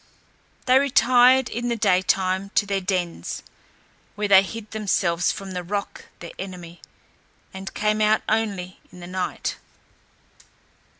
They retired in the day time to their dens, where they hid themselves from the roc their enemy, and came out only in the night.